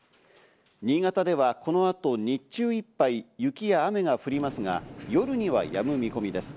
新潟ではこの後、日中いっぱい雪や雨が降りますが、夜にはやむ見込みです。